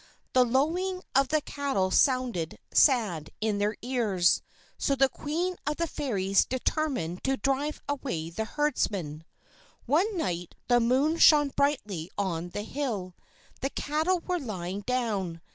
The lowing of the cattle sounded sad in their ears. So the Queen of the Fairies determined to drive away the herdsman. One night the moon shone brightly on the hill. The cattle were lying down.